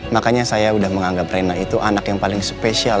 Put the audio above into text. makanya saya udah menganggap rena itu anak yang paling spesial